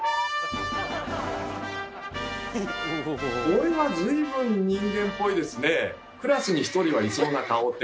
これは随分人間っぽいですね。